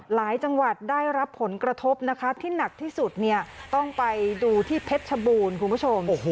หลายจังหวัดได้รับผลกระทบนะคะที่หนักที่สุดเนี่ยต้องไปดูที่เพชรชบูรณ์คุณผู้ชม